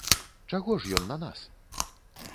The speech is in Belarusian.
Чаго ж ён на нас?